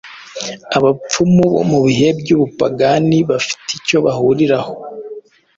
Abapfumu bo mu bihe by’ubupagani bafite icyo bahuriraho